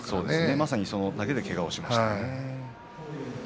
まさに投げでけがをしました。